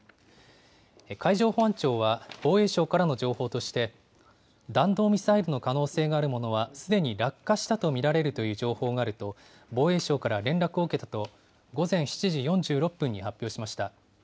海上保安庁は防衛省からの情報として、弾道ミサイルの可能性があるものはすでに落下したと見られるという情報があると防衛省から連絡を受けたと、午前７時４６分に発表しました。